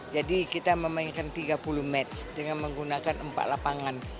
jadi kita memainkan tiga puluh match dengan menggunakan empat lapangan